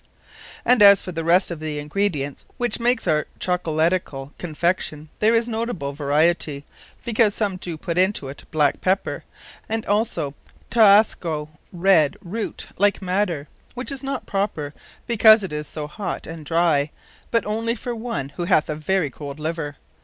And as for the rest of the ingredients, which make our Chocolaticall Confection, there is notable variety; because some doe put into it black Pepper, and also _Tauasco_[A]; which is not proper, because it is so hot and dry; but onely for one, who hath a very cold Liver.